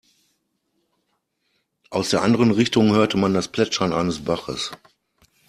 Aus der anderen Richtung hörte man das Plätschern eines Baches.